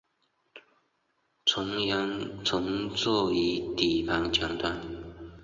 乘员乘坐于底盘前端。